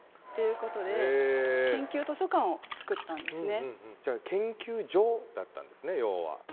その時はじゃあ研究所だったんですね要は。